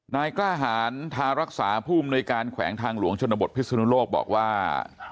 นายกล้าหารทารักษาผู้อำนวยการแขวงทางหลวงชนบทพิศนุโลกบอกว่า